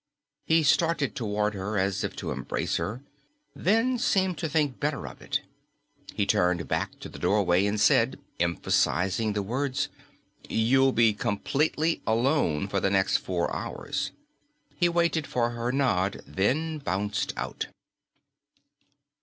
He started toward her, as if to embrace her, then seemed to think better of it. He turned back at the doorway and said, emphasizing the words, "You'll be completely alone for the next four hours." He waited for her nod, then bounced out.